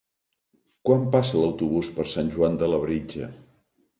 Quan passa l'autobús per Sant Joan de Labritja?